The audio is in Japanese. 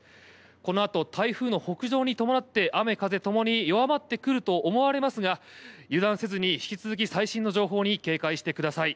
このあと台風の北上に伴って雨、風ともに弱まってくると思われますが油断せずに引き続き最新の情報に警戒してください。